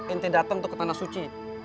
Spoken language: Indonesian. ente datang ke tanah suci